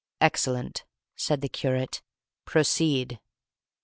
"Excellent," said the curate; "proceed."